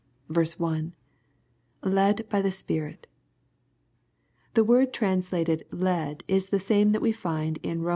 — [Led by ^ SpiriL] The word translated " led," is the same that we find in Bom.